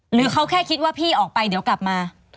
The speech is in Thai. หรือเขาแค่คิดว่าพี่ออกไปเดี๋ยวกลับมา